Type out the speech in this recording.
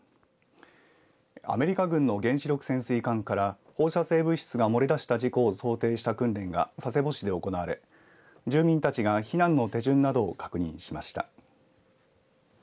アメリカ軍の原子力潜水艦から放射性物質が漏れ出した事故を想定した訓練が佐世保市で行われ住民たちが避難の手順などを確認しました。